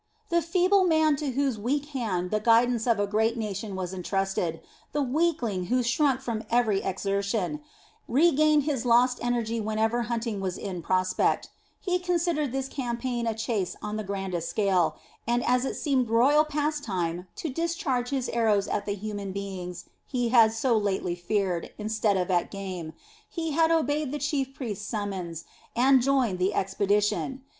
The feeble man to whose weak hand the guidance of a great nation was entrusted, the weakling who shrunk from every exertion, regained his lost energy whenever hunting was in prospect; he considered this campaign a chase on the grandest scale and as it seemed royal pastime to discharge his arrows at the human beings he had so lately feared, instead of at game, he had obeyed the chief priest's summons and joined the expedition.